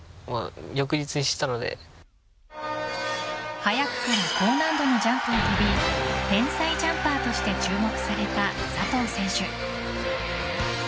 早くから高難度のジャンプを跳び天才ジャンパーとして注目された佐藤選手。